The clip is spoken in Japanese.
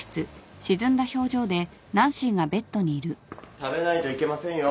食べないといけませんよ。